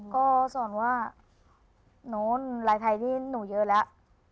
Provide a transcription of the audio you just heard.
ก็สอนว่านู้นรายไทยนี่หนูเยอะแล้ว